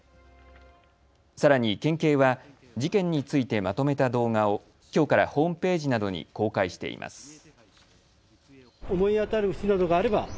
さらに県警は事件についてまとめた動画をきょうからホームページなどに公開しています。